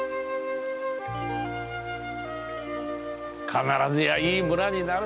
必ずやいい村になる。